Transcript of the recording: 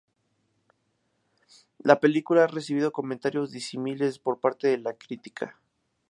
La película ha recibido comentarios disímiles por parte de la crítica.